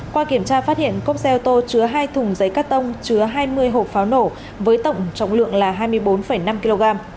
qua kiểm tra phát hiện cốc xe ô tô chứa hai thùng giấy cắt tông chứa hai mươi hộp pháo nổ với tổng trọng lượng là hai mươi bốn năm kg